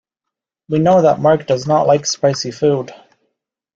We know that Mark does not like spicy food.